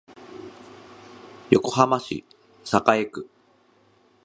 横浜市栄区